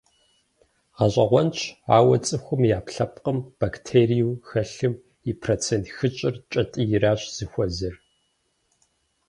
Гъэщӏэгъуэнщ, ауэ цӏыхум и ӏэпкълъэпкъым бактериеу хэлъым и процент хыщӏыр кӏэтӏийрщ зыхуэзэр.